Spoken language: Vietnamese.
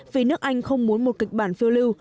vì nước anh không muốn một kịch bản phiêu lưu